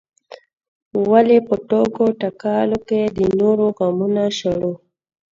ولو په ټوکو ټکالو کې د نورو غمونه شړل.